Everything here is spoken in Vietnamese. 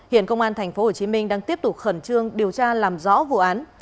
hiện công an tp hcm đang tiếp tục khẩn trương điều tra làm rõ vụ án